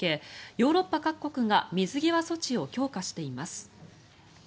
ヨーロッパ各国が水際措置を強化しています。